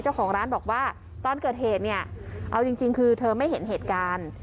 เจ้าของร้านบอกว่าตอนเกิดเหตุเนี่ยเอาจริงคือเธอไม่เห็นเหตุการณ์